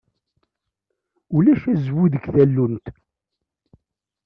Ulac azwu deg tallunt.